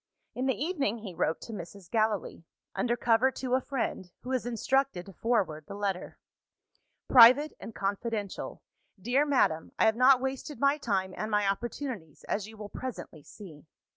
In the evening, he wrote to Mrs. Gallilee under cover to a friend, who was instructed to forward the letter. "Private and confidential. Dear Madam, I have not wasted my time and my opportunities, as you will presently see.